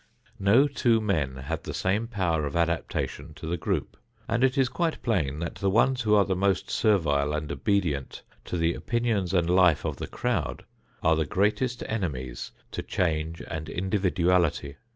No two men have the same power of adaptation to the group, and it is quite plain that the ones who are the most servile and obedient to the opinions and life of the crowd are the greatest enemies to change and individuality.